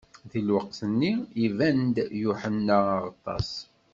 Di lweqt-nni, iban-d Yuḥenna Aɣeṭṭaṣ.